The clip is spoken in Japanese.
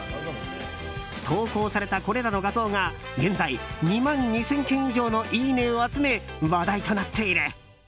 投稿されたこれらの画像が現在、２万２０００件以上のいいねを集め、話題となっている。